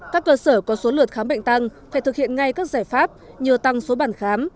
các cơ sở có số lượt khám bệnh tăng phải thực hiện ngay các giải pháp như tăng số bản khám